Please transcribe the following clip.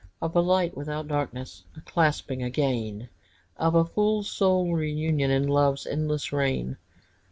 Of a light without darkness, A clasping again! Of a full soul reunion In Love's endless reign!